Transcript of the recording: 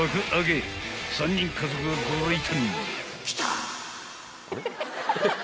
［３人家族がご来店］